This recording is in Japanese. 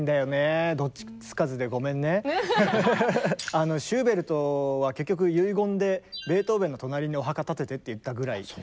あのシューベルトは結局遺言でベートーベンの隣にお墓建ててって言ったぐらい。